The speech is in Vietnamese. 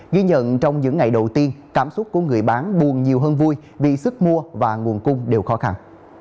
ghi nhận trong những ngày đầu tiên cảm xúc của người bán buồn nhiều hơn vui vì sức mua và nguồn cung đều khó khăn